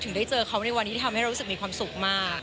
ได้เจอเขาในวันนี้ที่ทำให้เรารู้สึกมีความสุขมาก